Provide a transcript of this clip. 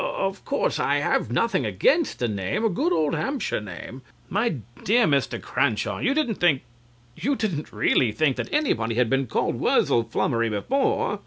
(Bravely) Of course, I have nothing against the name, a good old Hampshire name CLIFTON (shocked). My dear Mr. Crawshaw, you didn't think you didn't really think that anybody had been called Wurzel Flummery before?